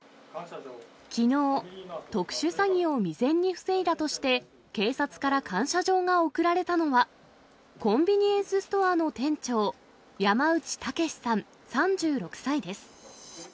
きのう、特殊詐欺を未然に防いだとして警察から感謝状が贈られたのは、コンビニエンスストアの店長、山内剛さん３６歳です。